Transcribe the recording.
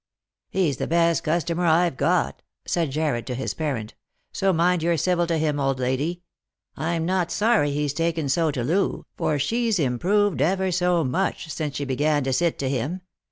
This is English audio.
" He's the best customer I've got," said Jarred to his parent ;" so mind you're civil to him, old lady. I'm not sorry he's taken so to Loo, for she's improved ever so much since she began to sit to him.